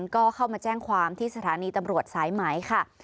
ก็เข้ามาแจ้งความที่สถานีตำรวจสายไหมค่ะ